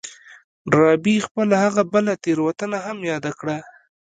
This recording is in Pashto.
ډاربي خپله هغه بله تېروتنه هم ياده کړه.